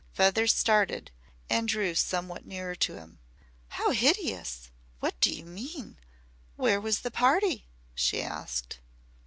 Feather started and drew somewhat nearer to him. "How hideous! What do you mean! Where was the party?" she asked.